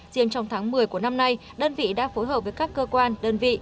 riêng trong tháng một mươi của năm nay đơn vị đã phối hợp với các cơ quan đơn vị